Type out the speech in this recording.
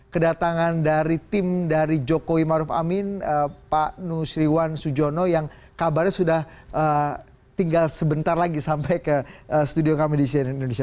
kedatangan dari tim dari jokowi maruf amin pak nusriwan sujono yang kabarnya sudah tinggal sebentar lagi sampai ke studio kami di cnn indonesia